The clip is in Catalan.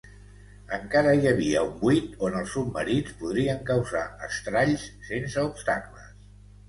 Encara hi havia un buit on els submarins podrien causar estralls sense obstacles.